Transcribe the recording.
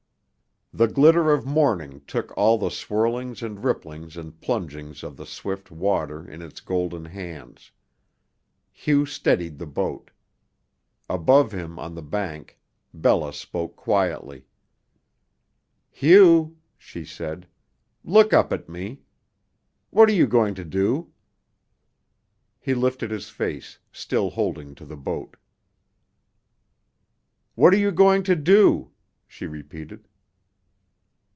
The glitter of morning took all the swirlings and ripplings and plungings of the swift water in its golden hands. Hugh steadied the boat. Above him on the bank Bella spoke quietly. "Hugh," she said, "look up at me. What are you going to do?" He lifted his face, still holding to the boat. "What are you going to do?" she repeated.